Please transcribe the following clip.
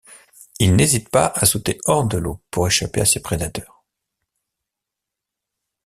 Il n'hésite pas à sauter hors de l'eau pour échapper à ses prédateurs.